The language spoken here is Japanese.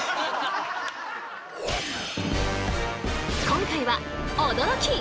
今回は驚き！